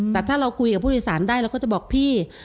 แต่ถ้าเราคุยกับผู้อิสรรได้หรือหรือปลอดภอมิเราก็จะบอกพี่